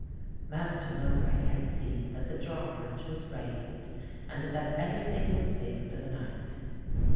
Master Mowbray had seen that the drawbridge was raised and that everything was safe for the night.